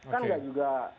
kan tidak juga